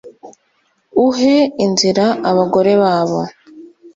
Uhe inzira abagore babo